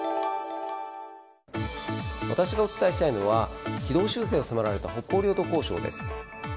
私がお伝えしたいのは軌道修正を迫られた北方領土交渉です。